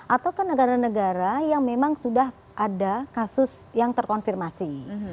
atau ke negara negara yang memang sudah ada kasus yang terkonfirmasi